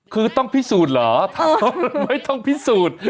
คือต้องพิสูจน์เหรอไม่ต้องพิสูจน์